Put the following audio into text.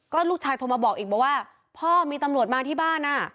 ลูกชายโทรมาบอกอีกบอกว่าพ่อมีตำรวจมาที่บ้าน